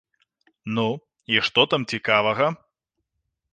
Ну, і што там цікавага?